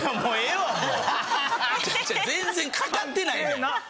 全然かかってないねん！